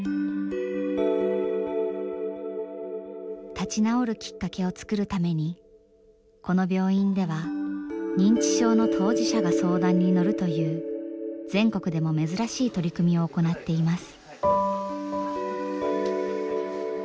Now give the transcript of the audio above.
立ち直るきっかけを作るためにこの病院では認知症の当事者が相談に乗るという全国でも珍しい取り組みを行っています。